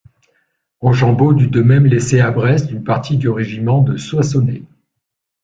Rochambeau dut de même laisser à Brest une partie du régiment de Soissonnais.